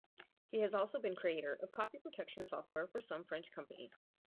He has also been creator of copy protection software for some French companies.